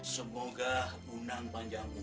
semoga unang panjang umur